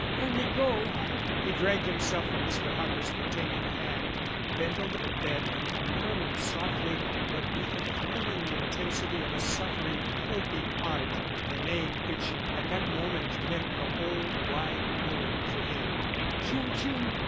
Let me go " He dragged himself from Mr. Harper's detaining hand, bent over the bed and murmured softly but with the thrilling intensity of a suffering, hoping heart, the name which at that moment meant the whole wide world to him: "Georgian!"